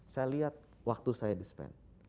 saya lihat waktu saya di spend